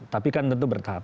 tapi kan tentu bertahap